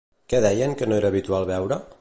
Què deien que no era habitual veure?